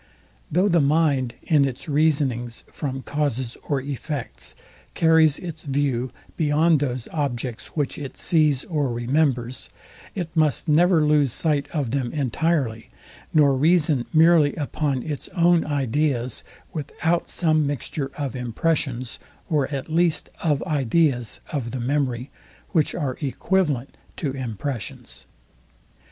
Though the mind in its reasonings from causes or effects carries its view beyond those objects, which it sees or remembers, it must never lose sight of them entirely, nor reason merely upon its own ideas, without some mixture of impressions, or at least of ideas of the memory, which are equivalent to impressions.